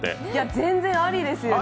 全然ありですよね。